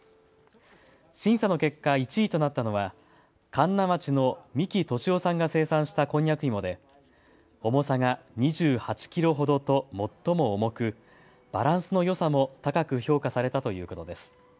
審査の結果１位となったのは神流町の三木俊夫さんが生産したこんにゃく芋で重さが２８キロほどと最も重くバランスのよさも高く評価されたということです。